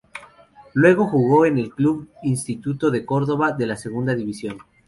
Luego jugó en el club Instituto de Córdoba de la Segunda División.